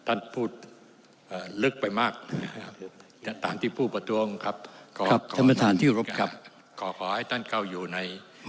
ท่านพูดลึกไปมากตามที่ผู้ประตูงขอขอให้ท่านเก่าอยู่ในเรื่องนั้นอยู่บ้าง